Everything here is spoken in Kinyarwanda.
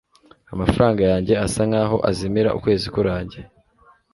amafaranga yanjye asa nkaho azimira ukwezi kurangiye